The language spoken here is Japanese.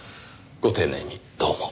ご丁寧にどうも。